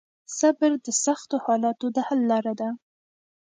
صبر د سختو حالاتو د حل لار ده.